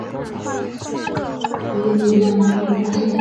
和应力一样都是由柯西提出。